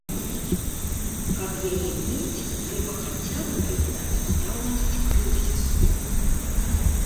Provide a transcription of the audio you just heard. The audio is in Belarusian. Каб яе мець, трэба хаця б прызнаць наяўнасць крызісу.